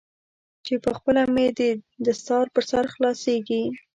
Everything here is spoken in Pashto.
چې پخپله مې دستار پر سر خلاصیږي.